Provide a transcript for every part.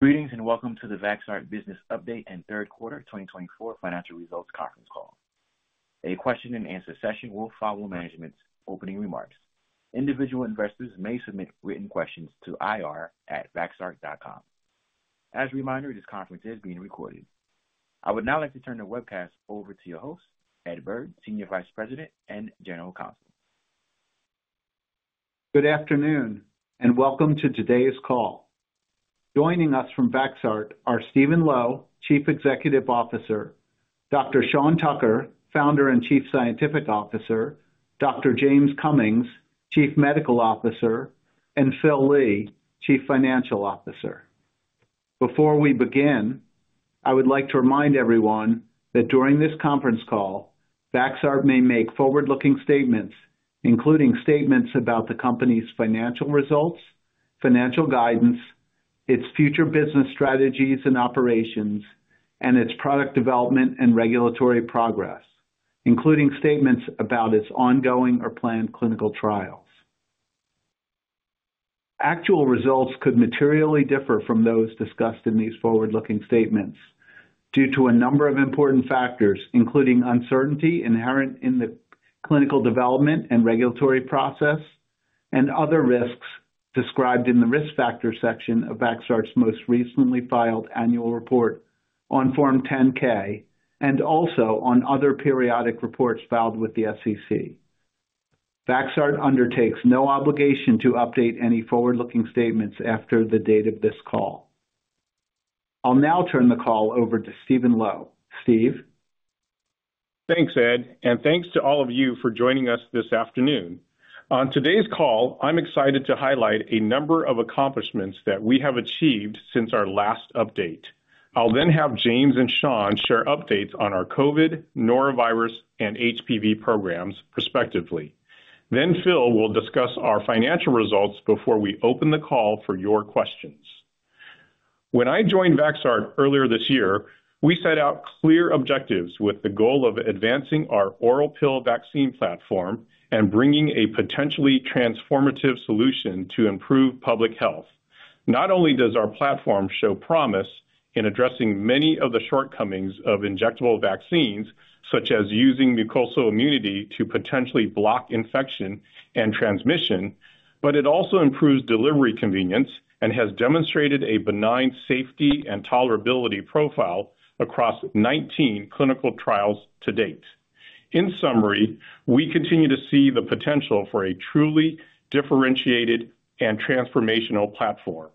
Greetings and welcome to the Vaxart Business Update and Third Quarter 2024 Financial Results Conference Call. A question-and-answer session will follow management's opening remarks. Individual investors may submit written questions to ir@vaxart.com. As a reminder, this conference is being recorded. I would now like to turn the webcast over to your host, Ed Berg, Senior Vice President and General Counsel. Good afternoon and welcome to today's call. Joining us from Vaxart are Steven Lo, Chief Executive Officer, Dr. Sean Tucker, Founder and Chief Scientific Officer, Dr. James Cummings, Chief Medical Officer, and Phil Lee, Chief Financial Officer. Before we begin, I would like to remind everyone that during this conference call, Vaxart may make forward-looking statements, including statements about the company's financial results, financial guidance, its future business strategies and operations, and its product development and regulatory progress, including statements about its ongoing or planned clinical trials. Actual results could materially differ from those discussed in these forward-looking statements due to a number of important factors, including uncertainty inherent in the clinical development and regulatory process, and other risks described in the risk factor section of Vaxart's most recently filed annual report on Form 10-K and also on other periodic reports filed with the SEC. Vaxart undertakes no obligation to update any forward-looking statements after the date of this call. I'll now turn the call over to Steven Lo. Steve. Thanks, Ed, and thanks to all of you for joining us this afternoon. On today's call, I'm excited to highlight a number of accomplishments that we have achieved since our last update. I'll then have James and Sean share updates on our COVID, norovirus, and HPV programs, respectively. Then Phil will discuss our financial results before we open the call for your questions. When I joined Vaxart earlier this year, we set out clear objectives with the goal of advancing our oral pill vaccine platform and bringing a potentially transformative solution to improve public health. Not only does our platform show promise in addressing many of the shortcomings of injectable vaccines, such as using mucosal immunity to potentially block infection and transmission, but it also improves delivery convenience and has demonstrated a benign safety and tolerability profile across 19 clinical trials to date. In summary, we continue to see the potential for a truly differentiated and transformational platform.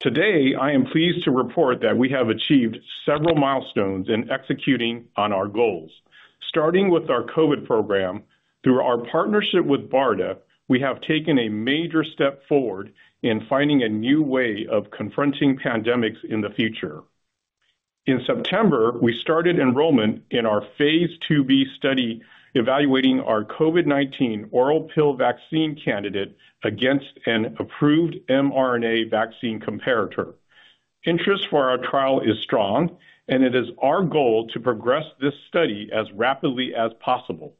Today, I am pleased to report that we have achieved several milestones in executing on our goals. Starting with our COVID program, through our partnership with BARDA, we have taken a major step forward in finding a new way of confronting pandemics in the future. In September, we started enrollment in our phase II-B study evaluating our COVID-19 oral pill vaccine candidate against an approved mRNA vaccine comparator. Interest for our trial is strong, and it is our goal to progress this study as rapidly as possible.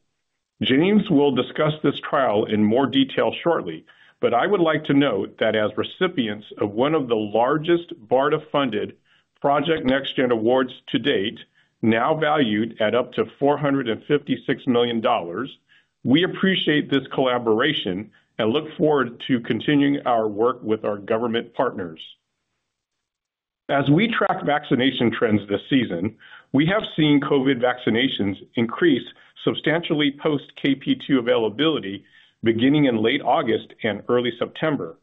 James will discuss this trial in more detail shortly, but I would like to note that as recipients of one of the largest BARDA-funded Project NextGen awards to date, now valued at up to $456 million, we appreciate this collaboration and look forward to continuing our work with our government partners. As we track vaccination trends this season, we have seen COVID vaccinations increase substantially post-KP.2 availability beginning in late August and early September.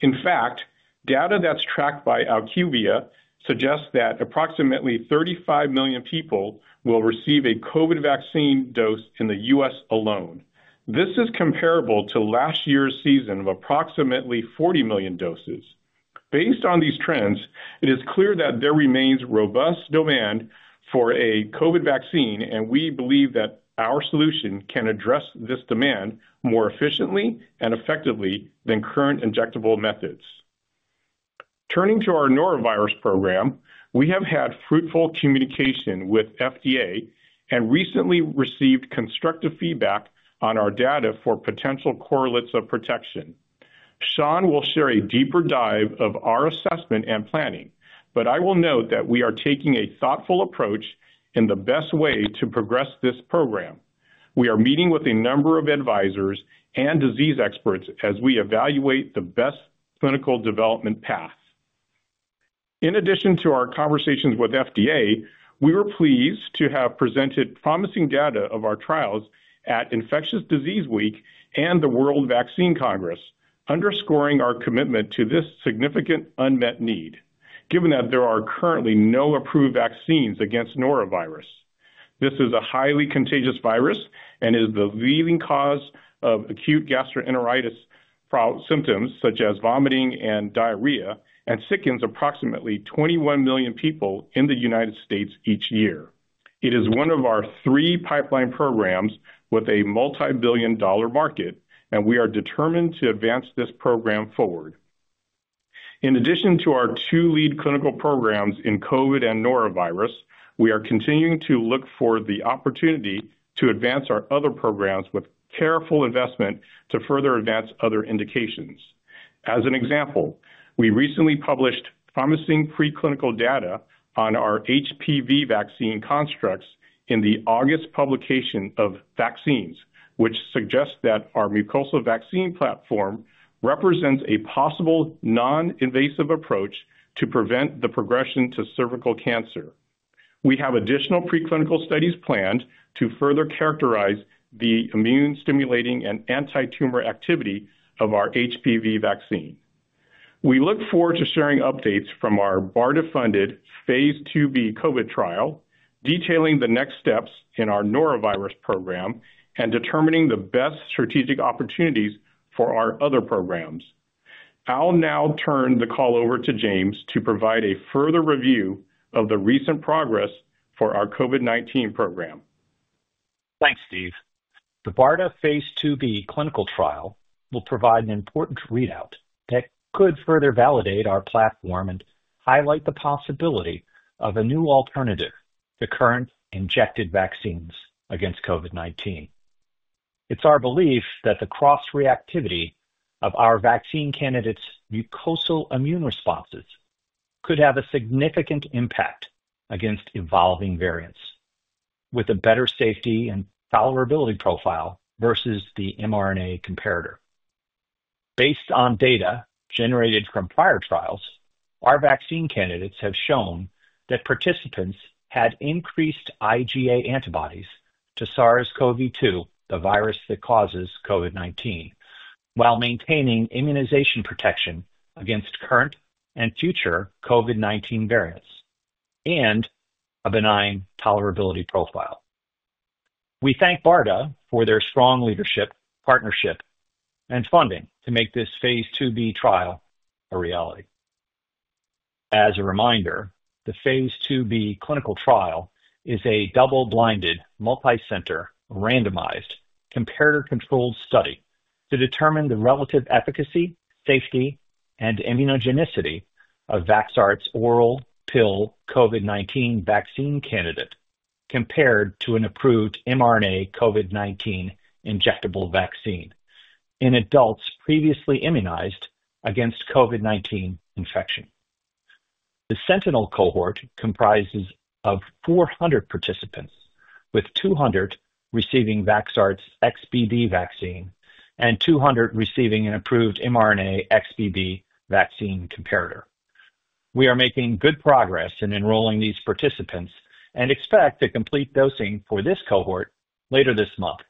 In fact, data that's tracked by IQVIA suggests that approximately 35 million people will receive a COVID vaccine dose in the U.S. alone. This is comparable to last year's season of approximately 40 million doses. Based on these trends, it is clear that there remains robust demand for a COVID vaccine, and we believe that our solution can address this demand more efficiently and effectively than current injectable methods. Turning to our norovirus program, we have had fruitful communication with FDA and recently received constructive feedback on our data for potential correlates of protection. Sean will share a deeper dive of our assessment and planning, but I will note that we are taking a thoughtful approach in the best way to progress this program. We are meeting with a number of advisors and disease experts as we evaluate the best clinical development path. In addition to our conversations with FDA, we were pleased to have presented promising data of our trials at Infectious Disease Week and the World Vaccine Congress, underscoring our commitment to this significant unmet need, given that there are currently no approved vaccines against norovirus. This is a highly contagious virus and is the leading cause of acute gastroenteritis symptoms such as vomiting and diarrhea and sickens approximately 21 million people in the United States each year. It is one of our three pipeline programs with a multi-billion-dollar market, and we are determined to advance this program forward. In addition to our two lead clinical programs in COVID and norovirus, we are continuing to look for the opportunity to advance our other programs with careful investment to further advance other indications. As an example, we recently published promising preclinical data on our HPV vaccine constructs in the August publication of Vaccines, which suggests that our mucosal vaccine platform represents a possible non-invasive approach to prevent the progression to cervical cancer. We have additional preclinical studies planned to further characterize the immune-stimulating and anti-tumor activity of our HPV vaccine. We look forward to sharing updates from our BARDA-funded phase II-B COVID trial, detailing the next steps in our norovirus program and determining the best strategic opportunities for our other programs. I'll now turn the call over to James to provide a further review of the recent progress for our COVID-19 program. Thanks, Steve. The BARDA phase II-B clinical trial will provide an important readout that could further validate our platform and highlight the possibility of a new alternative to current injected vaccines against COVID-19. It's our belief that the cross-reactivity of our vaccine candidates' mucosal immune responses could have a significant impact against evolving variants with a better safety and tolerability profile versus the mRNA comparator. Based on data generated from prior trials, our vaccine candidates have shown that participants had increased IgA antibodies to SARS-CoV-2, the virus that causes COVID-19, while maintaining immunization protection against current and future COVID-19 variants and a benign tolerability profile. We thank BARDA for their strong leadership, partnership, and funding to make this phase II-B trial a reality. As a reminder, the phase II-B clinical trial is a double-blinded, multi-center randomized comparator-controlled study to determine the relative efficacy, safety, and immunogenicity of Vaxart's oral pill COVID-19 vaccine candidate compared to an approved mRNA COVID-19 injectable vaccine in adults previously immunized against COVID-19 infection. The Sentinel cohort comprises 400 participants, with 200 receiving Vaxart's XBB vaccine and 200 receiving an approved mRNA XBB vaccine comparator. We are making good progress in enrolling these participants and expect to complete dosing for this cohort later this month.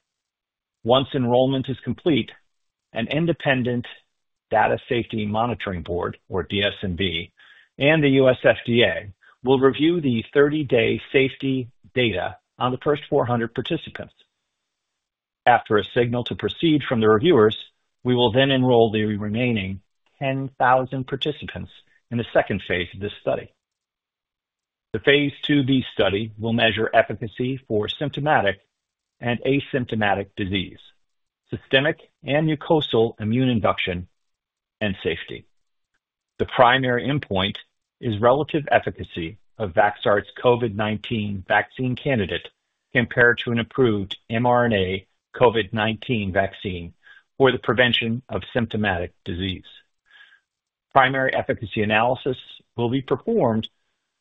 Once enrollment is complete, an Independent Data Safety Monitoring Board, or DSMB, and the U.S. FDA will review the 30-day safety data on the first 400 participants. After a signal to proceed from the reviewers, we will then enroll the remaining 10,000 participants in the phase II of this study. The phase II-B study will measure efficacy for symptomatic and asymptomatic disease, systemic and mucosal immune induction, and safety. The primary endpoint is relative efficacy of Vaxart's COVID-19 vaccine candidate compared to an approved mRNA COVID-19 vaccine for the prevention of symptomatic disease. Primary efficacy analysis will be performed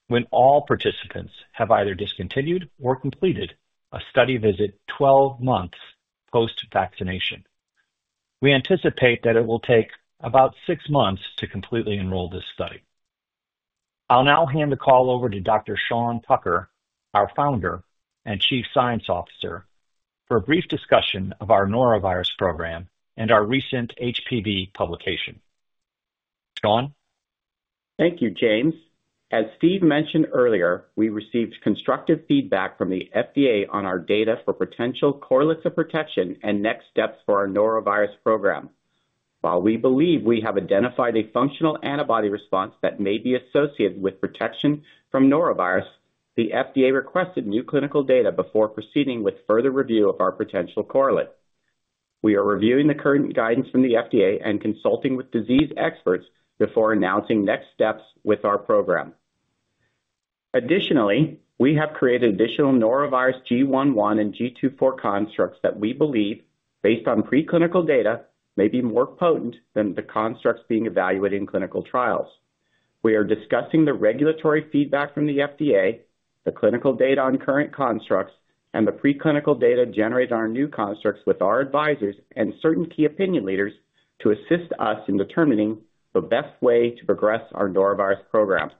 when all participants have either discontinued or completed a study visit 12 months post-vaccination. We anticipate that it will take about six months to completely enroll this study. I'll now hand the call over to Dr. Sean Tucker, our founder and Chief Scientific Officer, for a brief discussion of our norovirus program and our recent HPV publication. Sean? Thank you, James. As Steve mentioned earlier, we received constructive feedback from the FDA on our data for potential correlates of protection and next steps for our norovirus program. While we believe we have identified a functional antibody response that may be associated with protection from norovirus, the FDA requested new clinical data before proceeding with further review of our potential correlate. We are reviewing the current guidance from the FDA and consulting with disease experts before announcing next steps with our program. Additionally, we have created additional norovirus GI.1 and GII.4 constructs that we believe, based on preclinical data, may be more potent than the constructs being evaluated in clinical trials. We are discussing the regulatory feedback from the FDA, the clinical data on current constructs, and the preclinical data generated on our new constructs with our advisors and certain key opinion leaders to assist us in determining the best way to progress our norovirus program.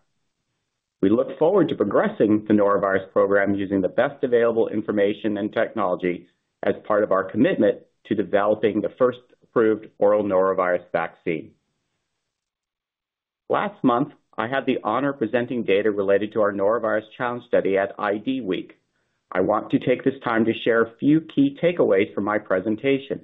We look forward to progressing the norovirus program using the best available information and technology as part of our commitment to developing the first approved oral norovirus vaccine. Last month, I had the honor of presenting data related to our norovirus challenge study at IDWeek. I want to take this time to share a few key takeaways from my presentation.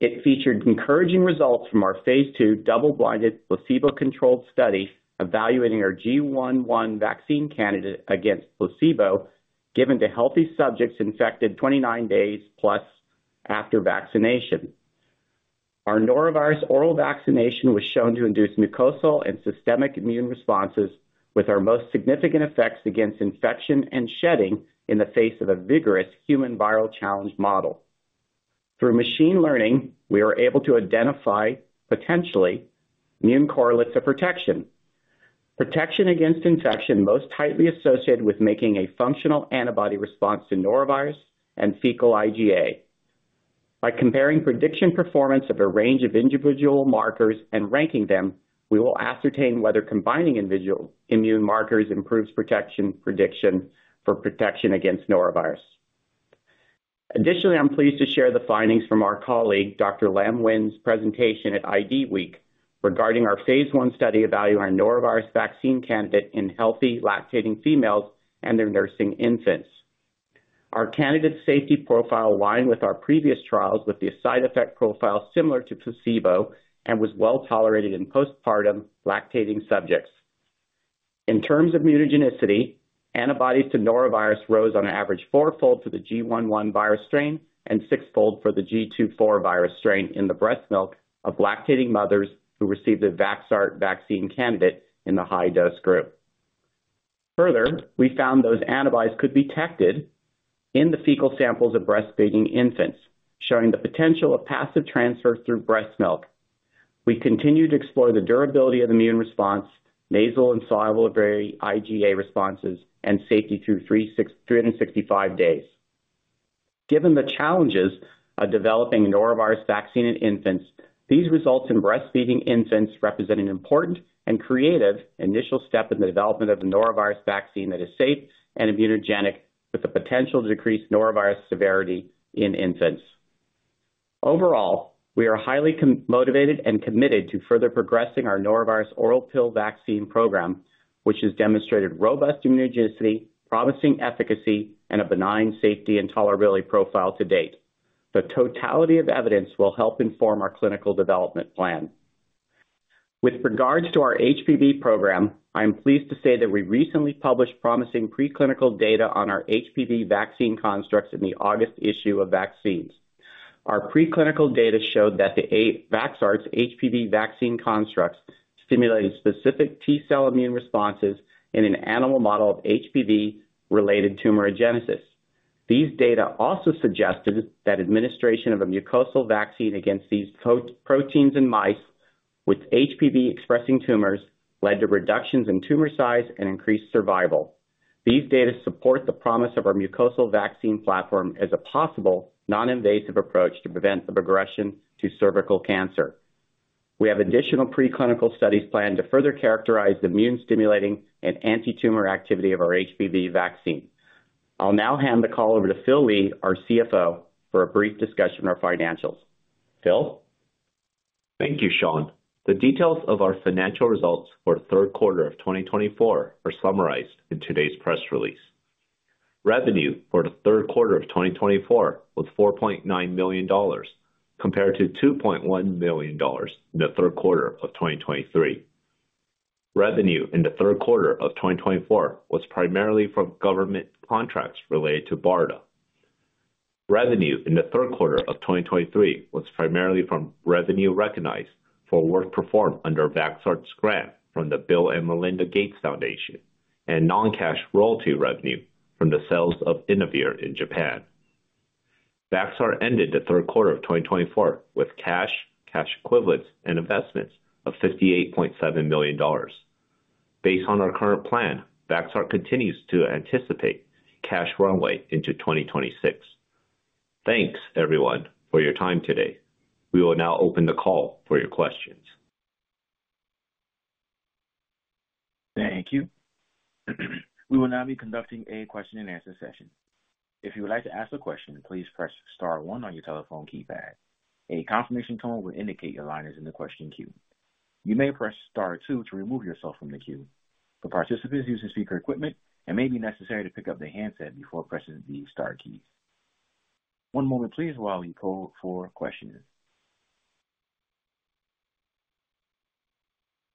It featured encouraging results from our phase II double-blind placebo-controlled study evaluating our GI.1 vaccine candidate against placebo given to healthy subjects infected 29 days plus after vaccination. Our norovirus oral vaccination was shown to induce mucosal and systemic immune responses with our most significant effects against infection and shedding in the face of a vigorous human viral challenge model. Through machine learning, we were able to identify potentially immune correlates of protection, protection against infection most tightly associated with making a functional antibody response to norovirus and fecal IgA. By comparing prediction performance of a range of individual markers and ranking them, we will ascertain whether combining individual immune markers improves protection prediction for protection against norovirus. Additionally, I'm pleased to share the findings from our colleague, Dr. Lam Nguyen's presentation at IDWeek regarding our phase 1 study evaluating our norovirus vaccine candidate in healthy lactating females and their nursing infants. Our candidate's safety profile aligned with our previous trials with the side effect profile similar to placebo and was well tolerated in postpartum lactating subjects. In terms of immunogenicity, antibodies to norovirus rose on average four-fold for the GI.1 virus strain and six-fold for the GII.4 virus strain in the breast milk of lactating mothers who received the Vaxart vaccine candidate in the high-dose group. Further, we found those antibodies could be detected in the fecal samples of breastfeeding infants, showing the potential of passive transfer through breast milk. We continue to explore the durability of immune response, nasal and secretory IgA responses, and safety through 365 days. Given the challenges of developing a norovirus vaccine in infants, these results in breastfeeding infants represent an important and creative initial step in the development of a norovirus vaccine that is safe and immunogenic with the potential to decrease norovirus severity in infants. Overall, we are highly motivated and committed to further progressing our norovirus oral pill vaccine program, which has demonstrated robust immunogenicity, promising efficacy, and a benign safety and tolerability profile to date. The totality of evidence will help inform our clinical development plan. With regards to our HPV program, I am pleased to say that we recently published promising preclinical data on our HPV vaccine constructs in the August issue of Vaccines. Our preclinical data showed that Vaxart's HPV vaccine constructs stimulated specific T-cell immune responses in an animal model of HPV-related tumorigenesis. These data also suggested that administration of a mucosal vaccine against these proteins in mice with HPV-expressing tumors led to reductions in tumor size and increased survival. These data support the promise of our mucosal vaccine platform as a possible non-invasive approach to prevent the progression to cervical cancer. We have additional preclinical studies planned to further characterize the immune-stimulating and anti-tumor activity of our HPV vaccine. I'll now hand the call over to Phil Lee, our CFO, for a brief discussion of our financials. Phil? Thank you, Sean. The details of our financial results for the third quarter of 2024 are summarized in today's press release. Revenue for the third quarter of 2024 was $4.9 million compared to $2.1 million in the third quarter of 2023. Revenue in the third quarter of 2024 was primarily from government contracts related to BARDA. Revenue in the third quarter of 2023 was primarily from revenue recognized for work performed under Vaxart's grant from the Bill & Melinda Gates Foundation and non-cash royalty revenue from the sales of Inavir in Japan. Vaxart ended the third quarter of 2024 with cash, cash equivalents, and investments of $58.7 million. Based on our current plan, Vaxart continues to anticipate cash runway into 2026. Thanks, everyone, for your time today. We will now open the call for your questions. Thank you. We will now be conducting a question-and-answer session. If you would like to ask a question, please press Star one on your telephone keypad. A confirmation tone will indicate your line is in the question queue. You may press Star two to remove yourself from the queue. For participants using speaker equipment, it may be necessary to pick up the handset before pressing the Star keys. One moment, please, while we pull for questions.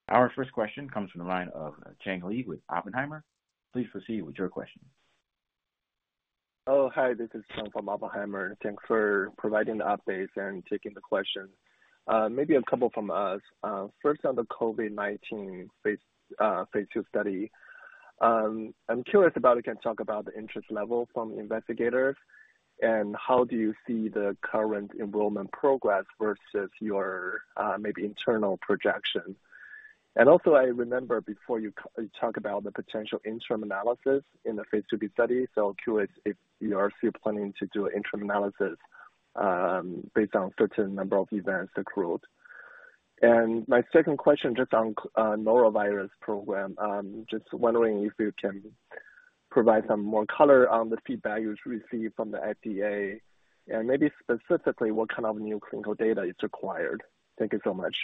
Our first question comes from the line of Cheng Li with Oppenheimer. Please proceed with your question. Oh, hi. This is Cheng from Oppenheimer. Thanks for providing the updates and taking the question. Maybe a couple from us. First, on the COVID-19 phase II study, I'm curious about if you can talk about the interest level from investigators and how do you see the current enrollment progress versus your maybe internal projection. And also, I remember before you talk about the potential interim analysis in the phase II-B study, so curious if you are still planning to do an interim analysis based on a certain number of events accrued. And my second question just on the norovirus program, just wondering if you can provide some more color on the feedback you've received from the FDA and maybe specifically what kind of new clinical data is required. Thank you so much.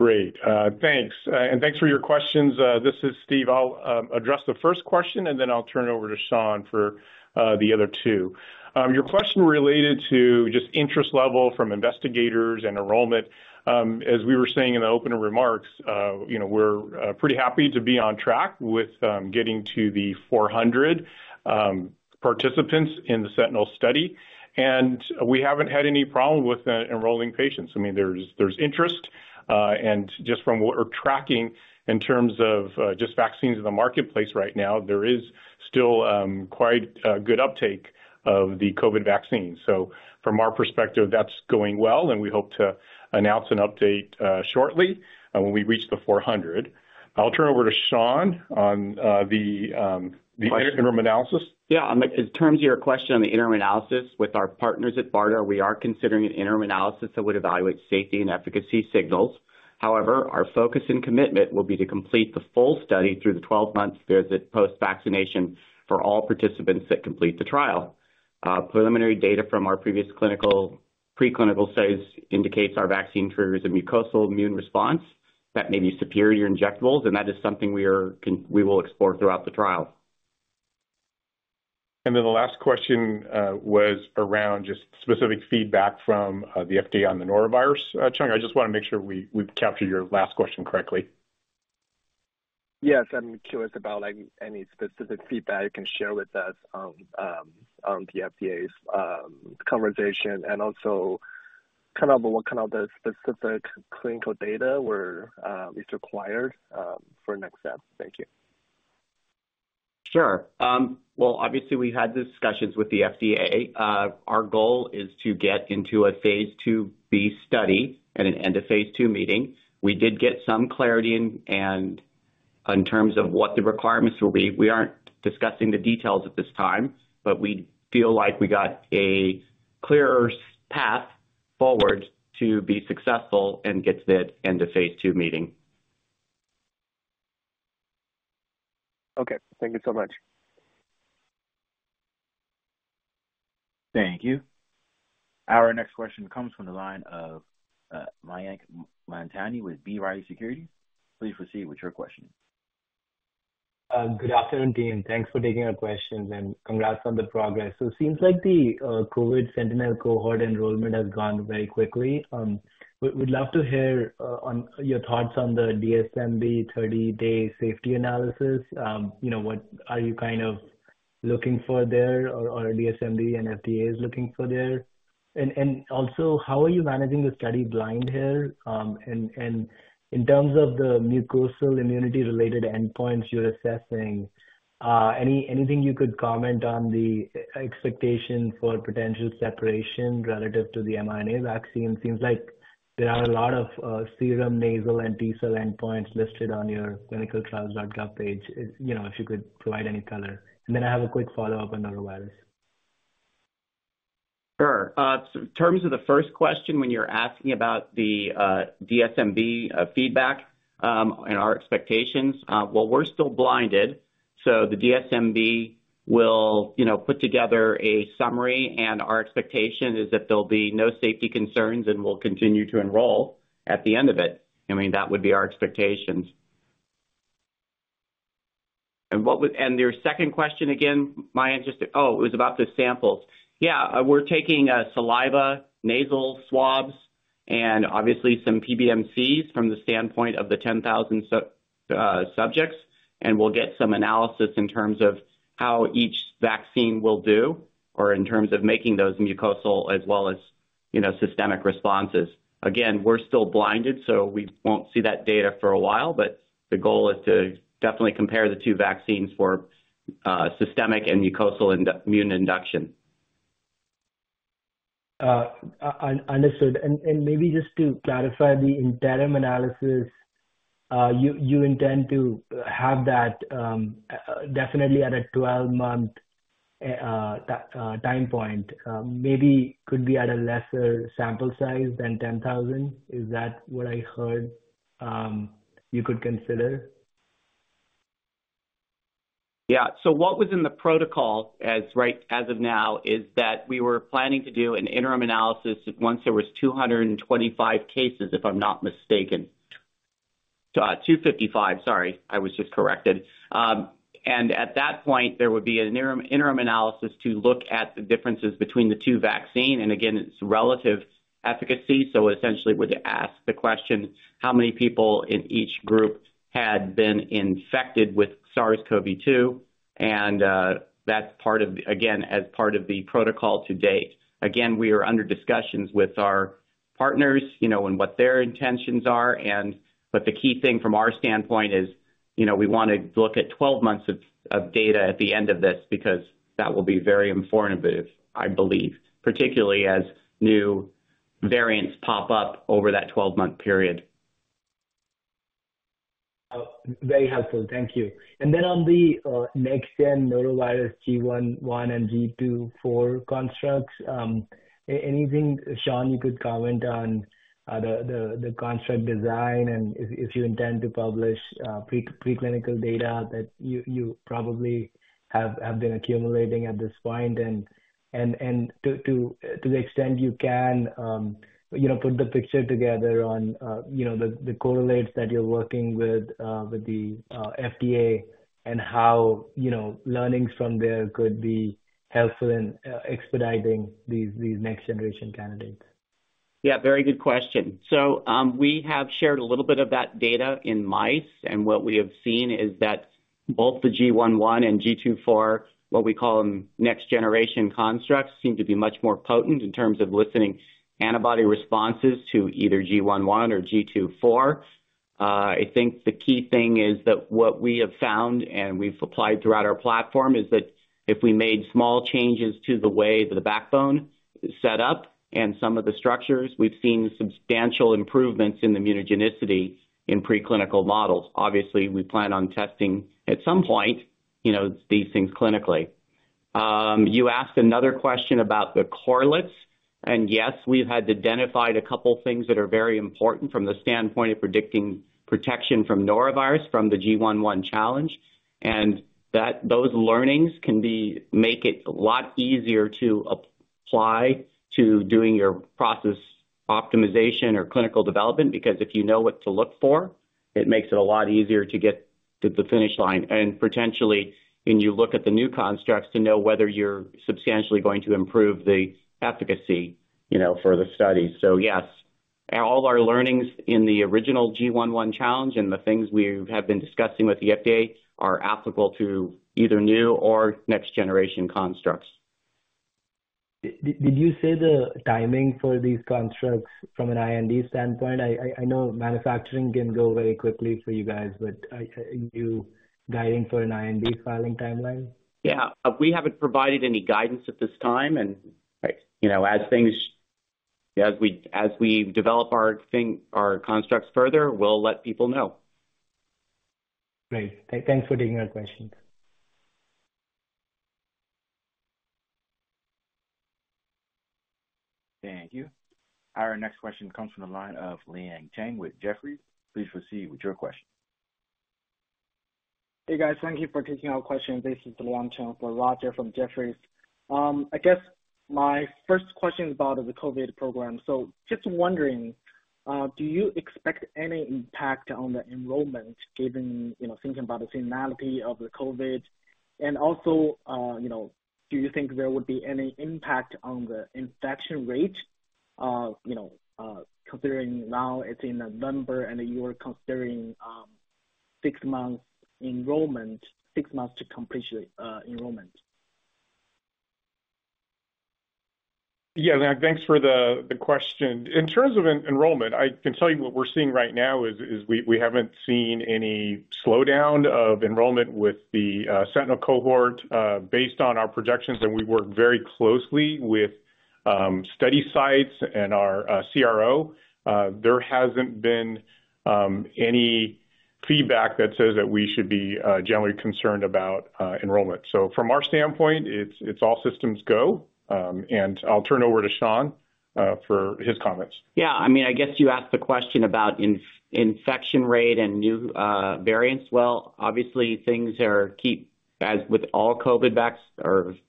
Great. Thanks. And thanks for your questions. This is Steven. I'll address the first question, and then I'll turn it over to Sean for the other two. Your question related to just interest level from investigators and enrollment, as we were saying in the opening remarks, we're pretty happy to be on track with getting to the 400 participants in the Sentinel study, and we haven't had any problem with enrolling patients. I mean, there's interest, and just from what we're tracking in terms of just vaccines in the marketplace right now, there is still quite a good uptake of the COVID vaccine. So from our perspective, that's going well, and we hope to announce an update shortly when we reach the 400. I'll turn it over to Sean on the interim analysis. Yeah. In terms of your question on the interim analysis, with our partners at BARDA, we are considering an interim analysis that would evaluate safety and efficacy signals. However, our focus and commitment will be to complete the full study through the 12-month visit post-vaccination for all participants that complete the trial. Preliminary data from our previous clinical preclinical studies indicates our vaccine triggers a mucosal immune response that may be superior to injectables, and that is something we will explore throughout the trial. The last question was around just specific feedback from the FDA on the norovirus. Cheng, I just want to make sure we captured your last question correctly. Yes. I'm curious about any specific feedback you can share with us on the FDA's conversation and also kind of what kind of the specific clinical data is required for next steps? Thank you. Sure. Well, obviously, we've had discussions with the FDA. Our goal is to get into a phase II-B study at an end-of-phase II meeting. We did get some clarity in terms of what the requirements will be. We aren't discussing the details at this time, but we feel like we got a clearer path forward to be successful and get to the end-of-phase II meeting. Okay. Thank you so much. Thank you. Our next question comes from the line of Mayank Mamtani with B. Riley Securities. Please proceed with your question. Good afternoon, team. Thanks for taking our questions and congrats on the progress. So it seems like the COVID Sentinel cohort enrollment has gone very quickly. We'd love to hear your thoughts on the DSMB 30-day safety analysis. What are you kind of looking for there, or DSMB and FDA is looking for there? And also, how are you managing the study blind here? And in terms of the mucosal immunity-related endpoints you're assessing, anything you could comment on the expectation for potential separation relative to the mRNA vaccine? It seems like there are a lot of serum nasal and T-cell endpoints listed on your clinicaltrials.gov page. If you could provide any color. And then I have a quick follow-up on norovirus. Sure. In terms of the first question, when you're asking about the DSMB feedback and our expectations, well, we're still blinded. So the DSMB will put together a summary, and our expectation is that there'll be no safety concerns and we'll continue to enroll at the end of it. I mean, that would be our expectations. And your second question again, Mayank, just oh, it was about the samples. Yeah. We're taking saliva, nasal swabs, and obviously some PBMCs from the standpoint of the 10,000 subjects, and we'll get some analysis in terms of how each vaccine will do or in terms of making those mucosal as well as systemic responses. Again, we're still blinded, so we won't see that data for a while, but the goal is to definitely compare the two vaccines for systemic and mucosal immune induction. Understood. And maybe just to clarify the interim analysis, you intend to have that definitely at a 12-month time point. Maybe could be at a lesser sample size than 10,000. Is that what I heard you could consider? Yeah. So what was in the protocol as of now is that we were planning to do an interim analysis once there was 225 cases, if I'm not mistaken. 255, sorry. I was just corrected. And at that point, there would be an interim analysis to look at the differences between the two vaccines. And again, it's relative efficacy. So essentially, it would ask the question how many people in each group had been infected with SARS-CoV-2. And that's part of, again, as part of the protocol to date. Again, we are under discussions with our partners and what their intentions are. But the key thing from our standpoint is we want to look at 12 months of data at the end of this because that will be very informative, I believe, particularly as new variants pop up over that 12-month period. Very helpful. Thank you. And then on the NextGen norovirus GI.1 and GII.4 constructs, anything, Sean, you could comment on the construct design and if you intend to publish preclinical data that you probably have been accumulating at this point and to the extent you can, put the picture together on the correlates that you're working with the FDA and how learnings from there could be helpful in expediting these next-generation candidates. Yeah. Very good question. So we have shared a little bit of that data in mice. And what we have seen is that both the GI.1 and GII.4, what we call them next-generation constructs, seem to be much more potent in terms of eliciting antibody responses to either GI.1 or GII.4. I think the key thing is that what we have found and we've applied throughout our platform is that if we made small changes to the way that the backbone is set up and some of the structures, we've seen substantial improvements in the immunogenicity in preclinical models. Obviously, we plan on testing at some point these things clinically. You asked another question about the correlates. And yes, we've identified a couple of things that are very important from the standpoint of predicting protection from norovirus from the GI.1 challenge. Those learnings can make it a lot easier to apply to doing your process optimization or clinical development because if you know what to look for, it makes it a lot easier to get to the finish line. Potentially, when you look at the new constructs to know whether you're substantially going to improve the efficacy for the study. Yes, all our learnings in the original GI.1 challenge and the things we have been discussing with the FDA are applicable to either new or next-generation constructs. Did you say the timing for these constructs from an IND standpoint? I know manufacturing can go very quickly for you guys, but are you guiding for an IND filing timeline? Yeah. We haven't provided any guidance at this time, and as we develop our constructs further, we'll let people know. Great. Thanks for taking our questions. Thank you. Our next question comes from the line of Liang Cheng with Jefferies. Please proceed with your question. Hey, guys. Thank you for taking our questions. This is Liang Cheng for Roger from Jefferies. I guess my first question is about the COVID program. So just wondering, do you expect any impact on the enrollment given thinking about the finality of the COVID? And also, do you think there would be any impact on the infection rate considering now it's in November and you're considering six months to complete enrollment? Yeah. Thanks for the question. In terms of enrollment, I can tell you what we're seeing right now is we haven't seen any slowdown of enrollment with the Sentinel cohort. Based on our projections, and we work very closely with study sites and our CRO, there hasn't been any feedback that says that we should be generally concerned about enrollment. So from our standpoint, it's all systems go. And I'll turn it over to Sean for his comments. Yeah. I mean, I guess you asked the question about infection rate and new variants. Well, obviously, things keep, as with all COVID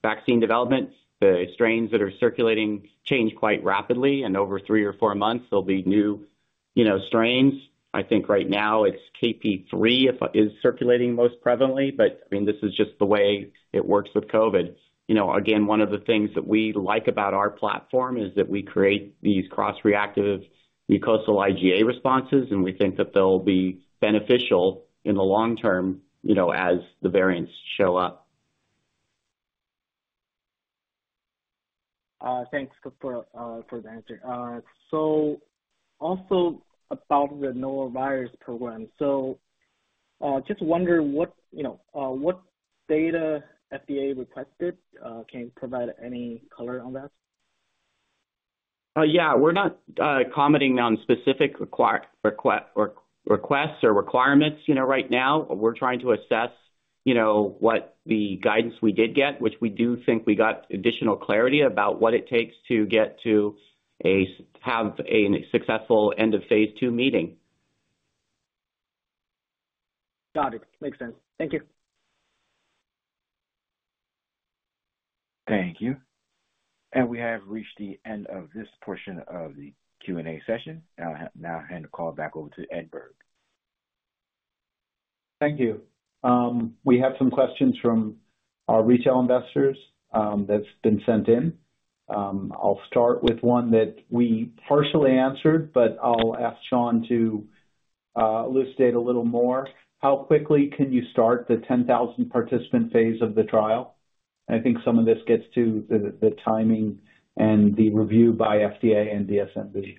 vaccine development, the strains that are circulating change quite rapidly. And over three or four months, there'll be new strains. I think right now it's KP.3 is circulating most prevalently. But I mean, this is just the way it works with COVID. Again, one of the things that we like about our platform is that we create these cross-reactive mucosal IgA responses, and we think that they'll be beneficial in the long term as the variants show up. Thanks for the answer. So also about the norovirus program, so just wonder what data FDA requested? Can you provide any color on that? Yeah. We're not commenting on specific requests or requirements right now. We're trying to assess what the guidance we did get, which we do think we got additional clarity about what it takes to have a successful end-of-phase II meeting. Got it. Makes sense. Thank you. Thank you. We have reached the end of this portion of the Q&A session. I'll now hand the call back over to Ed Berg. Thank you. We have some questions from our retail investors that's been sent in. I'll start with one that we partially answered, but I'll ask Sean to elucidate a little more. How quickly can you start the 10,000 participant phase of the trial? And I think some of this gets to the timing and the review by FDA and DSMB.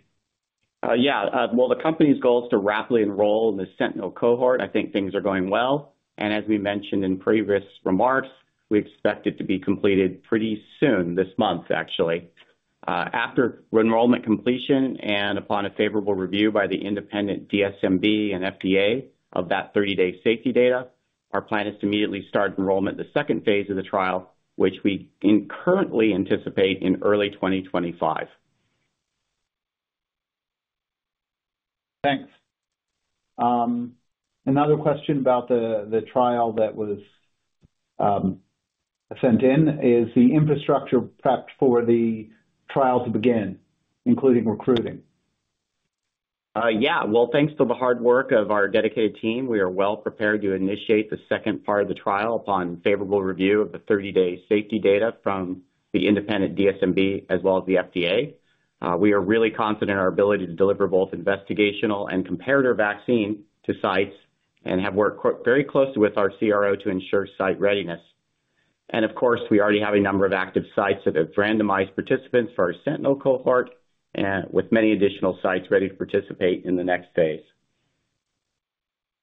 Yeah. Well, the company's goal is to rapidly enroll in the Sentinel cohort. I think things are going well, and as we mentioned in previous remarks, we expect it to be completed pretty soon this month, actually. After enrollment completion and upon a favorable review by the independent DSMB and FDA of that 30-day safety data, our plan is to immediately start enrollment in the phase II of the trial, which we currently anticipate in early 2025. Thanks. Another question about the trial that was sent in is the infrastructure prepped for the trial to begin, including recruiting? Yeah. Well, thanks to the hard work of our dedicated team, we are well prepared to initiate the second part of the trial upon favorable review of the 30-day safety data from the independent DSMB as well as the FDA. We are really confident in our ability to deliver both investigational and comparative vaccine to sites and have worked very closely with our CRO to ensure site readiness, and of course, we already have a number of active sites that have randomized participants for our Sentinel cohort with many additional sites ready to participate in the next phase.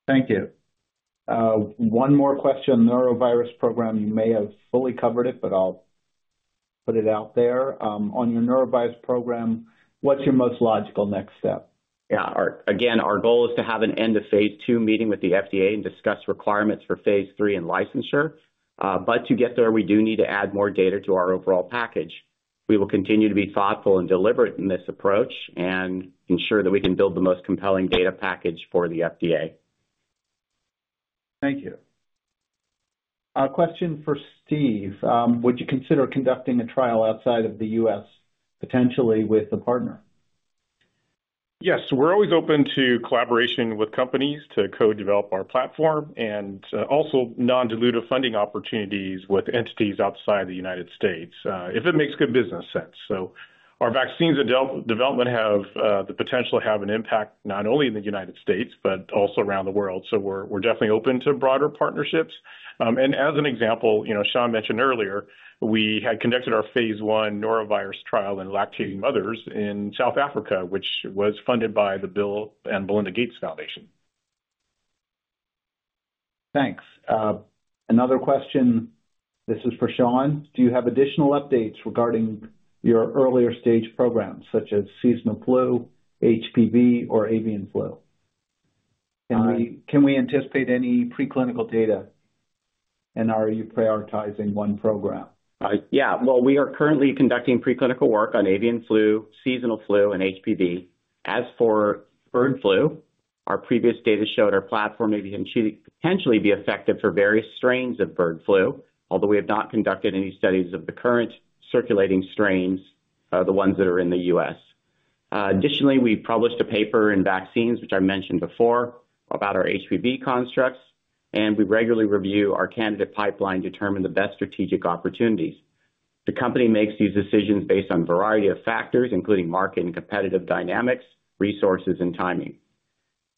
Thank you. One more question. Norovirus program, you may have fully covered it, but I'll put it out there. On your norovirus program, what's your most logical next step? Yeah. Again, our goal is to have an end-of-phase II meeting with the FDA and discuss requirements for phase III and licensure. But to get there, we do need to add more data to our overall package. We will continue to be thoughtful and deliberate in this approach and ensure that we can build the most compelling data package for the FDA. Thank you. Question for Steve. Would you consider conducting a trial outside of the U.S., potentially with a partner? Yes. We're always open to collaboration with companies to co-develop our platform and also non-dilutive funding opportunities with entities outside the United States if it makes good business sense, so our vaccines and development have the potential to have an impact not only in the United States, but also around the world, so we're definitely open to broader partnerships, and as an example, Sean mentioned earlier, we had conducted our phase I norovirus trial in lactating mothers in South Africa, which was funded by the Bill & Melinda Gates Foundation. Thanks. Another question. This is for Sean. Do you have additional updates regarding your earlier stage programs, such as seasonal flu, HPV, or avian flu? Can we anticipate any preclinical data? And are you prioritizing one program? We are currently conducting preclinical work on avian flu, seasonal flu, and HPV. As for bird flu, our previous data showed our platform may potentially be effective for various strains of bird flu, although we have not conducted any studies of the current circulating strains, the ones that are in the U.S. Additionally, we published a paper in Vaccines, which I mentioned before, about our HPV constructs. We regularly review our candidate pipeline to determine the best strategic opportunities. The company makes these decisions based on a variety of factors, including market and competitive dynamics, resources, and timing.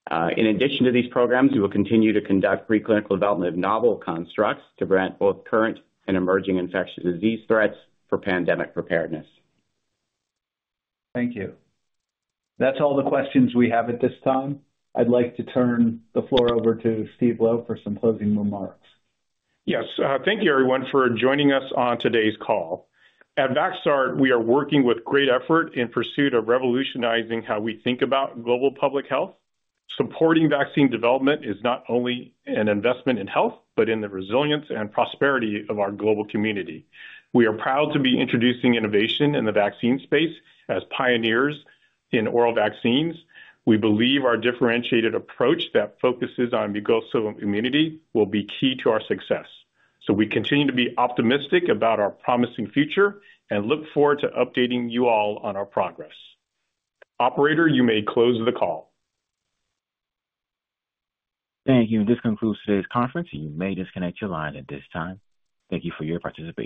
In addition to these programs, we will continue to conduct preclinical development of novel constructs to prevent both current and emerging infectious disease threats for pandemic preparedness. Thank you. That's all the questions we have at this time. I'd like to turn the floor over to Steven Lo for some closing remarks. Yes. Thank you, everyone, for joining us on today's call. At Vaxart, we are working with great effort in pursuit of revolutionizing how we think about global public health. Supporting vaccine development is not only an investment in health, but in the resilience and prosperity of our global community. We are proud to be introducing innovation in the vaccine space as pioneers in oral vaccines. We believe our differentiated approach that focuses on mucosal immunity will be key to our success. So we continue to be optimistic about our promising future and look forward to updating you all on our progress. Operator, you may close the call. Thank you. This concludes today's conference. You may disconnect your line at this time. Thank you for your participation.